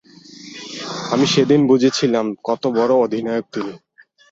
আমি সেদিনই বুঝেছিলাম কত বড় অধিনায়ক তিনি।